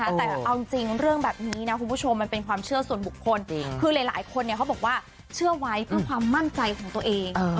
แต่เอาจริงเรื่องแบบนี้นะคุณผู้ชมมันเป็นความเชื่อส่วนบุคคลคือหลายคนเขาบอกว่าเชื่อไว้เพื่อความมั่นใจของตัวเอง